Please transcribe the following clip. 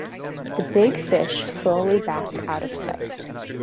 The big fish slowly backed out of sight.